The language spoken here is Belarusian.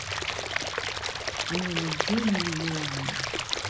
А не людзей мільёны.